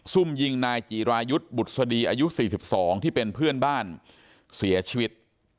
ซุ่มยิงนายจีรายุทธ์บุษดีอายุ๔๒ที่เป็นเพื่อนบ้านเสียชีวิต